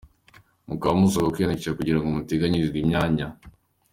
Mukaba musabwa kwiyandikisha kugirango muteganyilizwe imyanya.